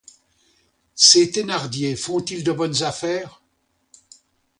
Ces Thénardier font-ils de bonnes affaires?